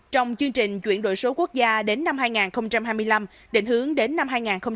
trong chương trình chuyển đổi số quốc gia đến năm hai nghìn hai mươi năm định hướng đến năm hai nghìn ba mươi